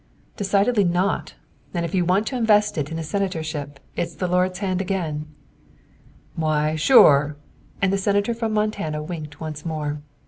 "Decidedly not! And if you want to invest it in a senatorship it's the Lord's hand again." "Why sure!" and the Senator from Montana winked once more.